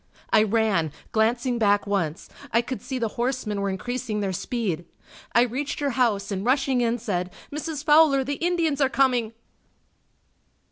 I ran, glancing back once, I could see the horsemen were increasing their speed. I reached her house and rushing in said, "Mrs. Fowler, the Indians are coming!"